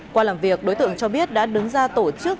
qua làm việc đối tượng cho biết đã đứng ra tổ chức